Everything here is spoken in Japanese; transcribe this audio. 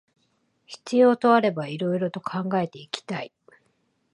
必要とあれば色々と考えていきたい